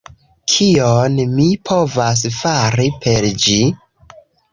Kion mi povas fari per ĝi?